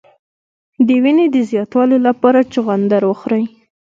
د وینې د زیاتوالي لپاره چغندر وخورئ